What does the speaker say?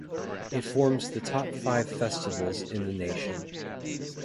It forms the top five festivals in the nation.